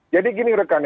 jadi gini rekan